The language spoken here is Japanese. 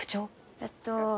えっと。